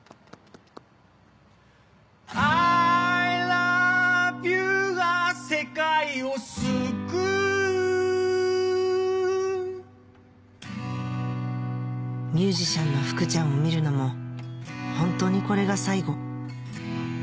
アイラブユーが世界を救うミュージシャンの福ちゃんを見るのもホントにこれが最後